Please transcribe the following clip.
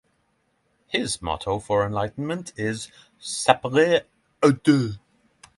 His motto for enlightenment is Sapere aude!